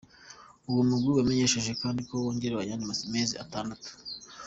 Uwo mugwi wamenyesheje kandi ko wongewe ayandi mezi atandatu.